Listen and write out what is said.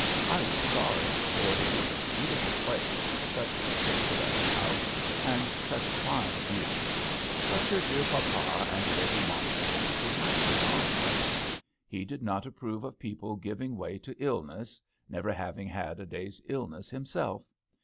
I was sorry, for it is a beautiful place, such a picturesque house, and such fine views ; but your dear papa and Lady Montford did not get on well. He did not approve of people giving way to illness, never having had a day's illness himself.